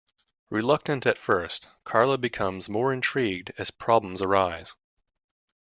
Reluctant at first, Carla becomes more intrigued as problems arise.